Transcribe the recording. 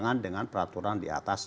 kan mengganggu orang pak